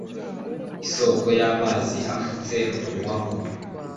isoko y'amazi afutse, unywaho